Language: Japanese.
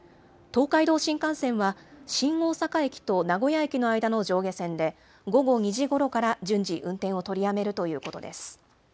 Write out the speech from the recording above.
東海道新幹線は新大阪駅と名古屋駅の間の上下線で午後２時ごろから順次、運転を取りやめるということです。